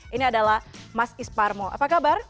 ini adalah mas isparmo apa kabar